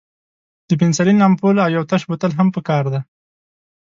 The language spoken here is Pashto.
د پنسلین امپول او یو تش بوتل هم پکار دی.